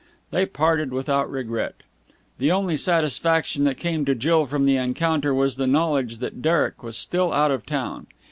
They parted without regret. The only satisfaction that came to Jill from the encounter was the knowledge that Derek was still out of town.